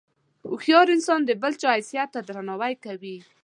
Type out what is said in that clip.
هوښیار انسان د بل چا حیثیت ته درناوی کوي.